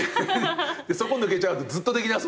そこ抜けちゃうとずっとできなそうだから。